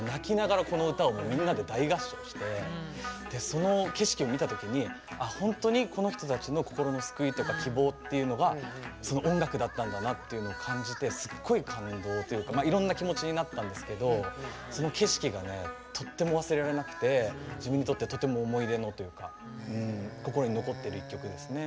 この歌を、みんなで大合唱してその景色を見たときに本当にこの人たちの心の救いとか希望っていうのが音楽だったんだなっていうのを感じてすっごい感動というかいろんな気持ちになったんですけどその景色がとっても忘れられなくて自分にとってはとっても思い出のっていうか心に残っている１曲ですね。